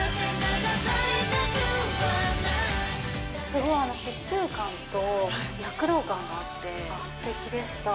すごい疾風感と、躍動感があって、すてきでした。